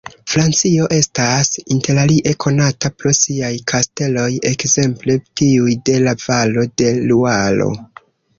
Francio estas interalie konata pro siaj kasteloj, ekzemple tiuj de la valo de Luaro.